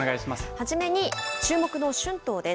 初めに注目の春闘です。